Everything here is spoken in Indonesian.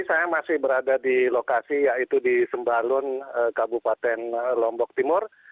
saya masih berada di lokasi yaitu di sembalun kabupaten lombok timur